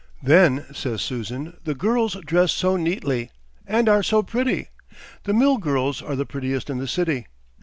"Then," says Susan, "the girls dress so neatly, and are so pretty. The mill girls are the prettiest in the city.